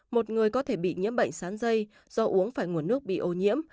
một người có thể bị nhiễm bệnh sán dây do uống phải nguồn nước bị ô nhiễm